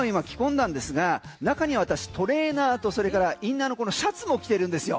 レインウェアを今着込んだんですが中には私、トレーナーとそれからインナーのシャツを着てるんですよ。